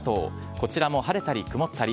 こちらも晴れたり曇ったり。